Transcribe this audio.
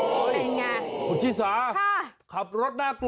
วิทยาลัยศาสตร์อัศวิทยาลัยศาสตร์